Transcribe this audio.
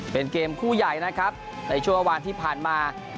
เป็นเกมคู่ใหญ่นะครับในช่วงวันที่ผ่านมา